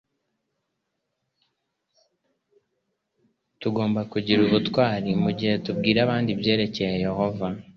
tugomba kugira ubutwari mu gihe tubwira abandi ibyerekeye yehova